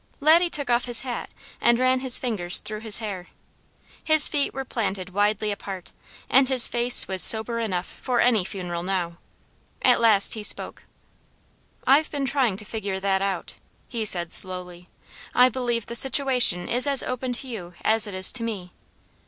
Laddie took off his hat and ran his fingers through his hair. His feet were planted widely apart, and his face was sober enough for any funeral now. At last he spoke. "I've been trying to figure that out," he said slowly. "I believe the situation is as open to you as it is to me.